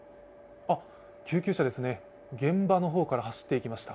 救急車ですね、現場の方から走っていきました。